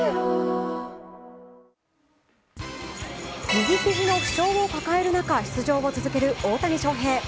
右ひじの負傷を抱える中出場を続ける大谷翔平。